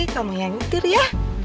kamu yang nyetir ya